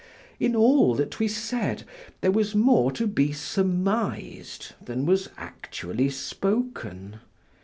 In all that we said there was more to be surmised than was actually spoken.